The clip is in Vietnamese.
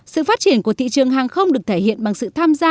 sự phát triển của thị trường hàng không được thể hiện bằng sự tham gia